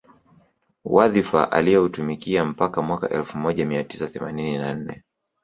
Wadhifa alioutumikia mpaka Mwaka elfu moja mia tisa themanini na nne